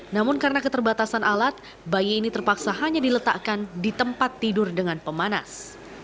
namun karena keterbatasan alat bayi ini terpaksa hanya diletakkan di tempat tidur dengan pemanas